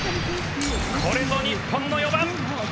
これぞ日本の４番。